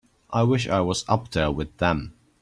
I wish I was up there with them.